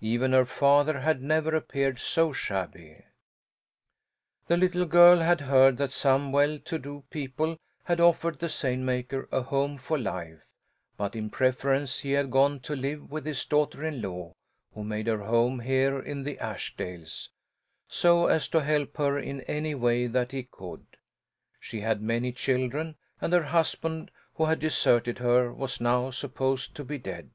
Even her father had never appeared so shabby. The little girl had heard that some well do to people had offered the seine maker a home for life, but in preference he had gone to live with his daughter in law, who made her home here in the Ashdales, so as to help her in any way that he could; she had many children, and her husband, who had deserted her, was now supposed to be dead.